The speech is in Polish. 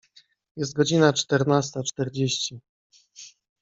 Jest godzina czternasta czterdzieści.